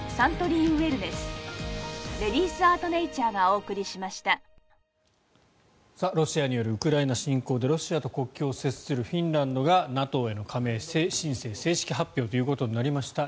お申し込みはロシアによるウクライナ侵攻でロシアと国境を接するフィンランドがＮＡＴＯへの加盟申請正式発表となりました。